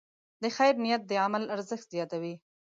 د خیر نیت د عمل ارزښت زیاتوي.